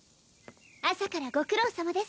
朝からご苦労さまです